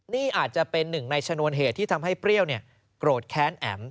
นี่อาจจะเป็นหนึ่งในชนวนเหตุที่ทำให้เปรี้ยวโกรธแค้นแอ๋ม